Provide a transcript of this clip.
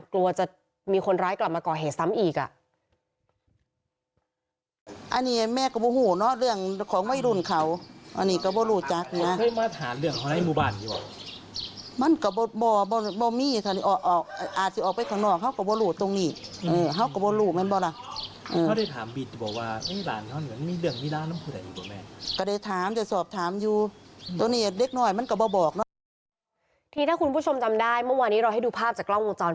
กลัวจะมีคนร้ายกลับมาก่อเหตุซ้ำอีกอ่ะ